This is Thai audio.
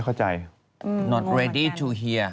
คำถามที่คุณไม่พร้อมที่จะให้ถอยคำ